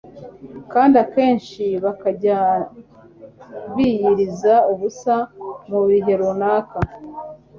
kandi akenshi bakajya biyiriza ubusa mu bihe runaka